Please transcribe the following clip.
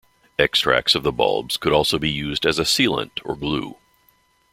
Extracts of the bulbs could also be used as a sealant or glue.